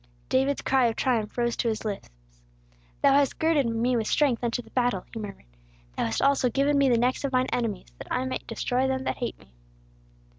David's cry of triumph rose to his lips: "Thou hast girded me with strength unto the battle," he murmured. "Thou hast also given me the necks of mine enemies, that I might destroy them that hate me!"